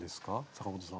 阪本さん。